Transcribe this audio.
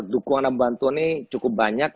dukungan dan bantuan ini cukup banyak